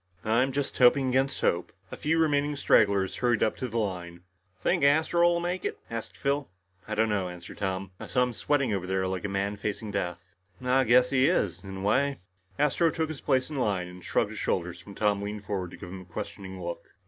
"I'm just hoping against hope." The few remaining stragglers hurried up to the line. "Think Astro'll make it?" asked Phil. "I don't know," answered Tom, "I saw him sweating over there like a man facing death." "I guess he is in a way." Astro took his place in line and shrugged his shoulders when Tom leaned forward to give him a questioning look.